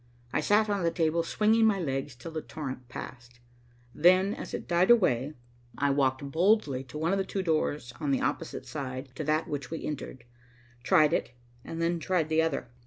I sat on the table swinging my legs till the torrent passed. Then, as it died away, I walked boldly to one of the two doors on the opposite side to that which we entered, tried it, and then tried the other.